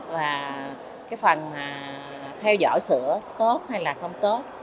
và cái phần mà theo dõi sữa tốt hay là không tốt